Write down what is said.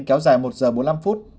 kéo dài một giờ bốn mươi năm phút